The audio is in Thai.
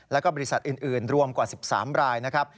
แล้วก็บริษัทอื่นรวมกว่า๑๓รายนะครับ